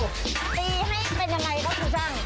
ตีให้เป็นยังไงครับครูจ้าง